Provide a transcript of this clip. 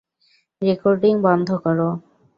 Recording বন্ধ কর!